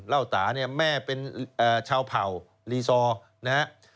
เล่าตาเนี่ยแม่เป็นชาวเผ่าลีซอร์นะฮะ